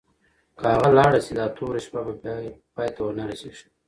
که هغه لاړه شي، دا توره شپه به پای ته ونه رسېږي.